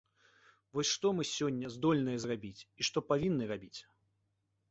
Вось што мы сёння здольныя зрабіць і што павінны рабіць?